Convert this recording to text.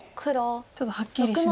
ちょっとはっきりしない。